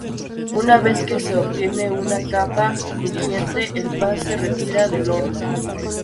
Una vez que se obtiene una capa crujiente el pan se retira del horno.